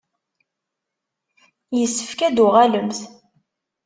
Yessefk ad d-tuɣalemt.